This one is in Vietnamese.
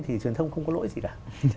thì truyền thông không có lỗi gì cả